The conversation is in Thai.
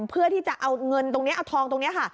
เพื่อที่จะเอาเงินทองตรงนี้